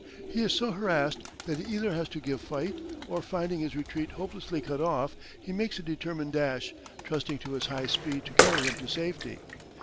He is so harassed that he either has to give fight, or, finding his retreat hopelessly cut off, he makes a determined dash, trusting to his high speed to carry him to safety.